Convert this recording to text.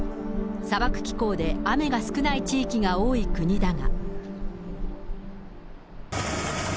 砂漠気候で、雨が少ない地域が多い国だが。